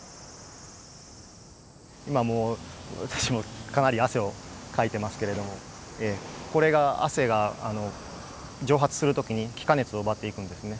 今もう私もかなり汗をかいてますけれどもこれが汗が蒸発するときに気化熱を奪っていくんですね。